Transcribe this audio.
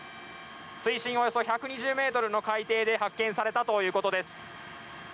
水深およそ１２０ｍの海底で発見されたということです。